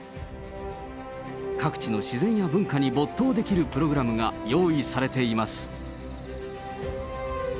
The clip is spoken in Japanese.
各地の自然や文化に没頭できるプログラムが用意されています。